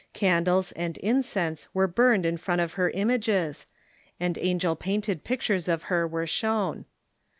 Candles and incense were burned in front of her images, and angel painted pictures of her were shown.